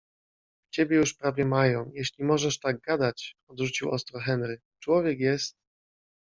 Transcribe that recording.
- Ciebie już prawie mają, jeśli możesz tak gadać - odrzucił ostro Henry. - Człowiek jest